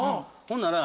ほんなら。